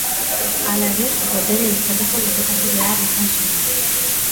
Hala ere, boterea izateko borrokatu behar izan zuen.